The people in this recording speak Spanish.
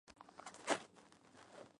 Su abuelo era cirujano.